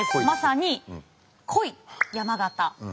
まさに「来い山形」。